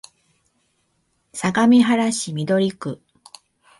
相模原市緑区